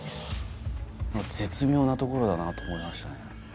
絶妙なところだなと思いましたね。